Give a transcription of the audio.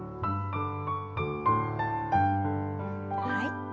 はい。